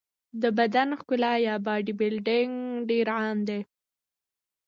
د بدن ښکلا یا باډي بلډینګ ډېر عام دی.